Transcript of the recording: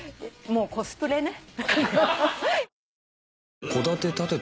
もうコスプレね。